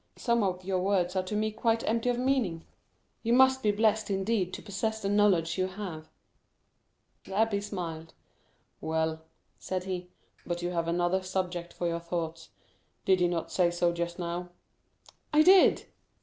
Some of your words are to me quite empty of meaning. You must be blessed indeed to possess the knowledge you have." The abbé smiled. "Well," said he, "but you had another subject for your thoughts; did you not say so just now?" "I did!"